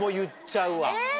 え！